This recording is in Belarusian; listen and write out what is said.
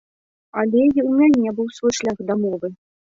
Але і ў мяне быў свой шлях да мовы.